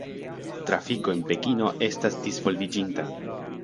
Trafiko en Pekino estas disvolviĝinta.